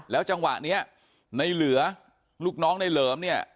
จังหวะนี้ในเหลือลูกน้องในเหลิมเนี่ย